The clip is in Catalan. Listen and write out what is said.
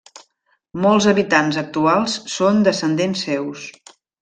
Molts habitants actuals són descendents seus.